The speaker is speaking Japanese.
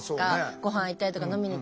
ごはん行ったりとか飲みに行ったり。